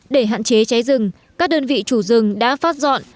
để hạn chế cháy rừng các đơn vị chủ rừng đã phát dọn